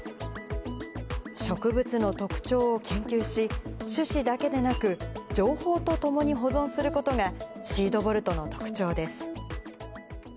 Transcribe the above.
植物の特徴を研究し、種子だけでなく、情報とともに保存することが、シードボルトの特徴です。